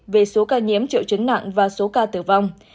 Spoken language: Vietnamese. về số ca nhiễm triệu chứng nặng và số ca tử vong